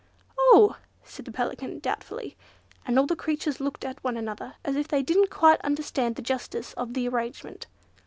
"Oh!" said the Pelican, doubtfully; and all the creatures looked at one another as if they didn't quite understand the justice of the arrangement.